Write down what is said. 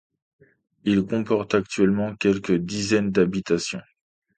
Il comporte actuellement quelques dizaines d'habitations.